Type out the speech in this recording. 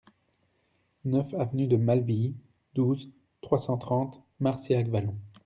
neuf avenue de Malvies, douze, trois cent trente, Marcillac-Vallon